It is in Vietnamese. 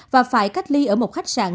và phải cách ly ở một khách sạn